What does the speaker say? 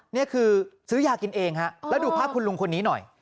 นี่คือซื้อยากินเองฮะแล้วดูภาพคุณลุงคนนี้หน่อย